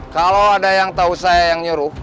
kalau ada yang tahu saya yang nyuruh